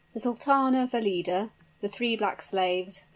THE SULTANA VALIDA THE THREE BLACK SLAVES.